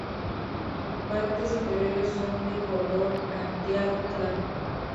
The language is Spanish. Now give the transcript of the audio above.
Sus partes inferiores son de color anteado claro.